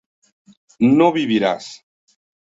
no vivirás